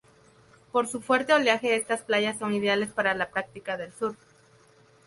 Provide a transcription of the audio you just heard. Por su fuerte oleaje estas playas son ideales para la práctica del surf.